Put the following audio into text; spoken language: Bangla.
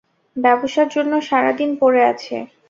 ব্যবসার জন্য সারা দিন পরে আছে।